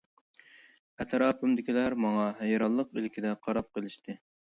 ئەتراپىمدىكىلەر ماڭا ھەيرانلىق ئىلكىدە قاراپ قېلىشتى.